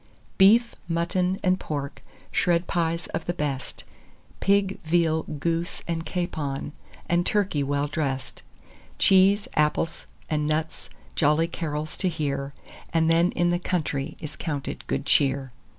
"Beef, mutton, and pork, shred pies of the best, Pig, veal, goose, and capon, and turkey well dress'd, Cheese, apples, and nuts, jolly carols to hear, As then in the country is counted good cheer."